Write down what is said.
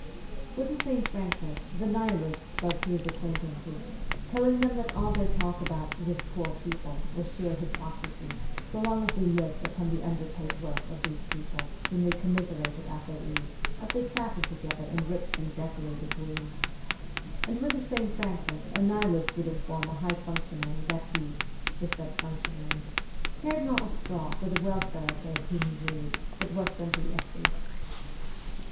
With the same frankness the Nihilist spoke to his acquaintances, telling them that all their talk about ' this poor people ' was sheer hypocrisy so long as they lived upon the underpaid work of these people whom they commiserated at their ease as they chatted together in richly decorated rooms ; and with the same frankness a Nihilist would inform a high functionary that he (the said functionary) cared not a straw for the welfare of those whom he ruled, but was simply a thief